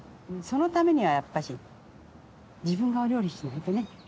そのためにはやっぱし自分がお料理しないとね。